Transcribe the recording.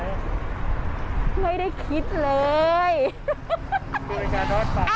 บ๊วยงล้าเราไม่ได้ขาวแกล้งของเขาอะไรใช่ไหมไม่ได้คิดเลย